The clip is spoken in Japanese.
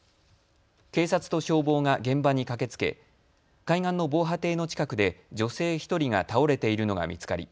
警察と消防が現場に駆けつけ海岸の防波堤の近くで女性１人が倒れているのが見つかり